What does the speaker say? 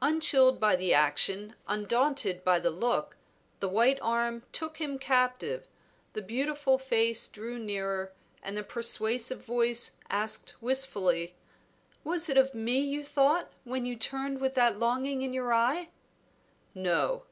Unchilled by the action, undaunted by the look, the white arm took him captive, the beautiful face drew nearer, and the persuasive voice asked wistfully "Was it of me you thought when you turned with that longing in your eye?" "No."